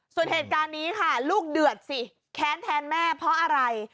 ส่วนเหตุการณ์นี้ค่ะลูกเดือดสิแค้นแทนแม่เพราะอะไร